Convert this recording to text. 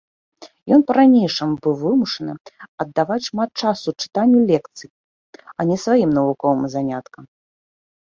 Ён па-ранейшаму быў вымушаны аддаваць шмат часу чытанню лекцый, а не сваім навуковым заняткам.